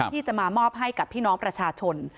ที่จะมามอบให้กับพี่น้องประชาชน